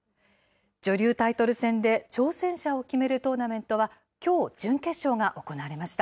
女流タイトル戦で挑戦者を決めるトーナメントは、きょう準決勝が行われました。